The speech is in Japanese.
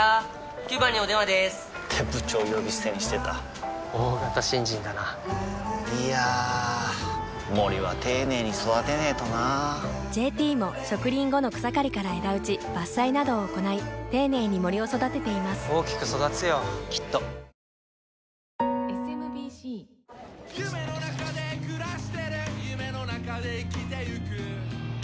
９番にお電話でーす！って部長呼び捨てにしてた大型新人だないやー森は丁寧に育てないとな「ＪＴ」も植林後の草刈りから枝打ち伐採などを行い丁寧に森を育てています大きく育つよきっとトヨタイムズの富川悠太です